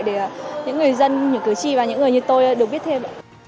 để những người dân những cử tri và những người như tôi được biết thêm ạ